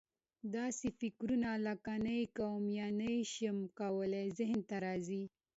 داسې فکرونه لکه: نه یې کوم یا نه یې شم کولای ذهن ته راځي.